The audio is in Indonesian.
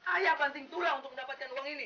ayah panting turang untuk mendapatkan uang ini